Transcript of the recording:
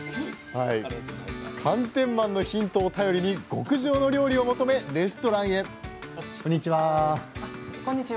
寒天マンのヒントを頼りに極上の料理を求めレストランへこんにちは。